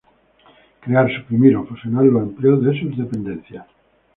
Crear, suprimir o fusionar los empleos de sus dependencias.